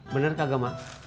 bener kagak mak